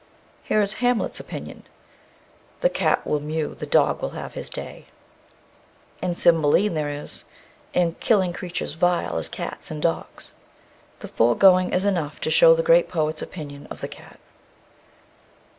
Here is Hamlet's opinion: The cat will mew, the dog will have his day. In Cymbeline there is: In killing creatures vile, as cats and dogs. The foregoing is enough to show the great poet's opinion of the cat.